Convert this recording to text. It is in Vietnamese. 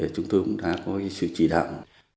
chúng tôi cũng đã có sự chỉ đạo